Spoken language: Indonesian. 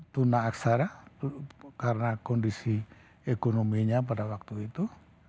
tuna aksara karena kondisi ekonominya pada waktu itu